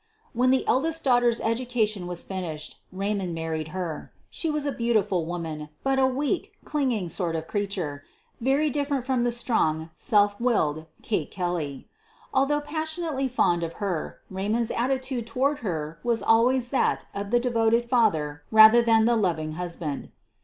"When the eldest daughter's education was fin ished Eaymond married her. She was a beautiful woman, but a weak, clinging sort of creature — very different from strong, self willed Kate Kelley. Al though passionately fond of her, Eaymond 's atti tude toward her was always that of the devoted father rather than the loving husband.